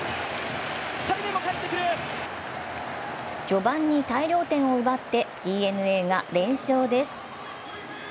序盤に大量点を奪って、ＤｅＮＡが連勝です。